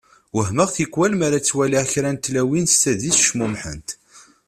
Wehmeɣ tikwal mi ara ttwaliɣ kra n tlawin s tadist cmumḥent.